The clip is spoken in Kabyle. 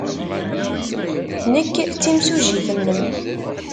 Nekk d timsujjit-nnem.